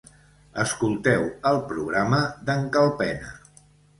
Escolteu el programa d'en Calpena